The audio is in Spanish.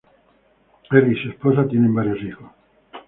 Él y su esposa tienen varios hijos.